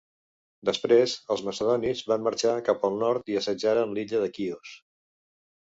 Després, els macedonis van marxar cap al nord i assetjaren l'illa de Quios.